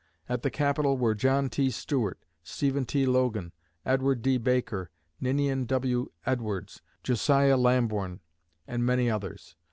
At the capital were John T. Stuart, Stephen T. Logan, Edward D. Baker, Ninian W. Edwards, Josiah Lamborn, and many others.